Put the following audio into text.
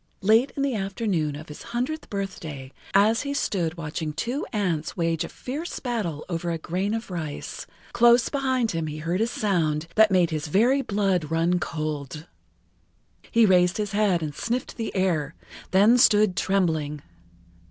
Late in the afternoon of his hundredth birthday, as he stood watching two ants wage a fierce battle over a[Pg 19] grain of rice, close behind him he heard a sound that made his very blood run cold. He raised his head and sniffed the air, then stood trembling.